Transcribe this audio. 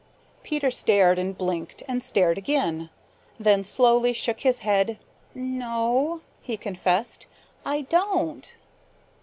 Peter stared and blinked and stared again, then slowly shook his head. "No," he confessed, "I don't."